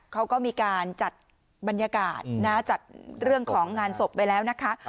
เขาก็มีการจัดบรรยากาศนะจัดเรื่องของงานศพไปแล้วนะคะ